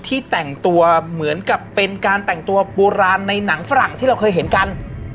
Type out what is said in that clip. แต่งตัวเหมือนกับเป็นการแต่งตัวโบราณในหนังฝรั่งที่เราเคยเห็นกัน